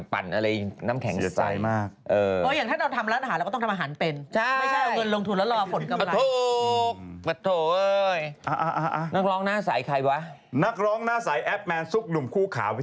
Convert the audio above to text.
เปิดร้านต๊อกตรงด๊อกไม้